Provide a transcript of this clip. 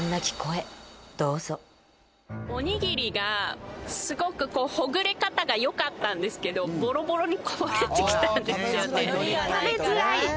おにぎりがすごくほぐれ方が良かったんですけどボロボロにこぼれてきたんですよね。